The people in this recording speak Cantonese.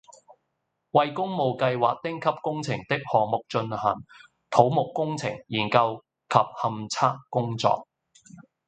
為工務計劃丁級工程的項目進行土木工程、研究及勘測工作